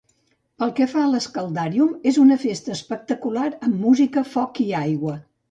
Pel que fa a l'Escaldarium, és una festa espectacular amb música, foc i aigua.